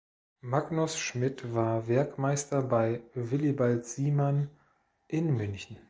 Magnus Schmid war Werkmeister bei Willibald Siemann in München.